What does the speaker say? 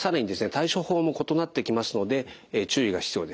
対処法も異なってきますので注意が必要です。